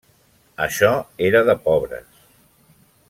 Això era de pobres.